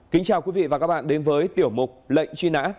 kính chào quý vị và các bạn đến với tiểu mục lệnh truy nã